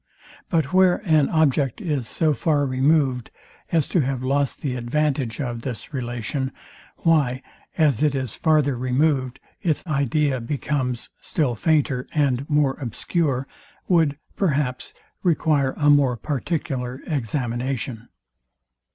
But where an object is so far removed as to have lost the advantage of this relation, why, as it is farther removed, its idea becomes still fainter and more obscure, would, perhaps, require a more particular examination.